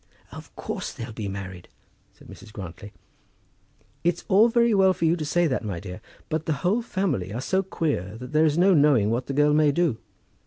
"Of course they'll be married," said Mrs. Grantly. "It's all very well for you to say that, my dear; but the whole family are so queer that there is no knowing what the girl may do.